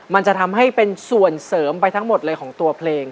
มันจะทำให้เป็นส่วนเสริมไปทั้งหมดเลยของตัวเพลง